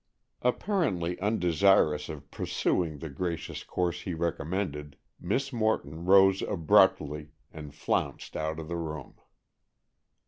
Apparently undesirous of pursuing the gracious course he recommended, Miss Morton rose abruptly and flounced out of the room.